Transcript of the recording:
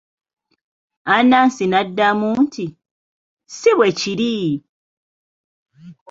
Anansi n'addamu nti, Si bwe kiri!